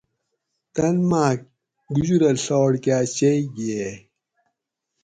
تن ماگ گُجرہ ڷاٹ کاۤ چئی گِھیئیگ